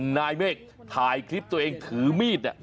นายเมฆถ่ายคลิปตัวเองถือมีด